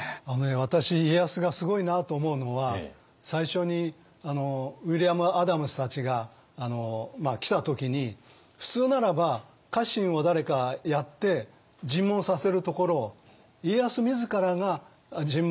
私家康がすごいなと思うのは最初にウィリアム・アダムスたちが来た時に普通ならば家臣を誰かやって尋問させるところを家康自らが尋問に当たってるんですよね。